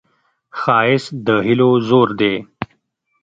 ښایست د هیلو زور دی